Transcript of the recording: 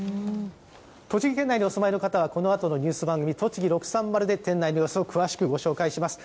栃木県内にお住まいの方は、このあとのニュース番組、とちぎ６３０で店内の様子を詳しくご紹介します。